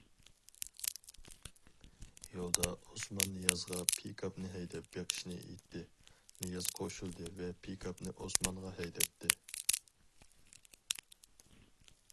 يولدا ئوسمان نىيازغا پىكاپنى ھەيدەپ بېقىشنى ئېيتتى، نىياز قوشۇلدى ۋە پىكاپنى ئوسمانغا ھەيدەتتى.